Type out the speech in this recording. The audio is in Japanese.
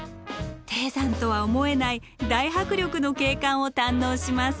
低山とは思えない大迫力の景観を堪能します。